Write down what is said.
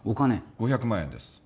５００万円です